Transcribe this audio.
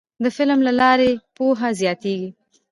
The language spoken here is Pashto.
د قلم له لارې پوهه زیاتیږي.